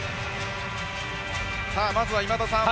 まずは今田さん